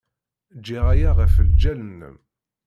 Giɣ aya ɣef lǧal-nnem.